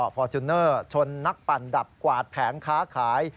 ฟอร์จูเนอร์ชนนักปั่นดับกวาดแผงค้าขาย